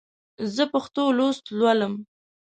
زه پښتو لوست لولم.